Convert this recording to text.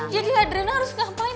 jadi adriana harus ngapain